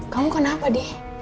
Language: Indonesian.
kamu kenapa d